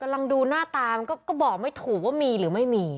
ดูหน้าตามันก็บอกไม่ถูกว่ามีหรือไม่มี